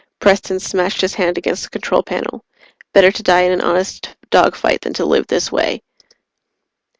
Preston smashed his hand against the control panel. Better to die in an honest dogfight than to live this way!